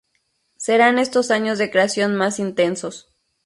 Serán estos años de creación más intensos.